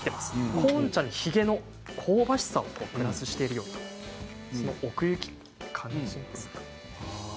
コーン茶にヒゲの香ばしさをプラスしているような奥行き感じますか。